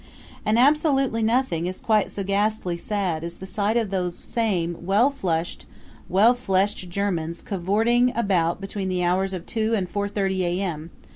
And absolutely nothing is quite so ghastly sad as the sight of those same well flushed, well fleshed Germans cavorting about between the hours of two and four thirty A.M.